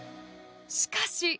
しかし。